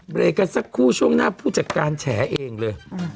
เบรกกันสักครู่ช่วงหน้าผู้จัดการแฉเองเลย